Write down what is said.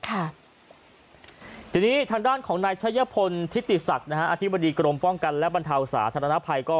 ทางด้านของนายชะยะพลทิศติศักดิ์อธิบดีกรมป้องกันและบรรเทาศาสนธนภัย